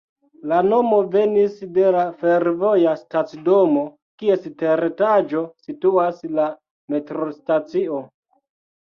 La nomo venis de la fervoja stacidomo, kies teretaĝo situas la metrostacio.